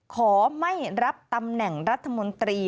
ขอไม่รับตำแหน่งรัฐมนตรี